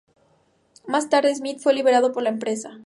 Más tarde, Smith fue liberado por la empresa.